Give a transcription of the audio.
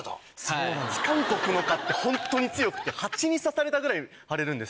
そうなんです韓国の蚊ってホントに強くて蜂に刺されたぐらい腫れるんですよ。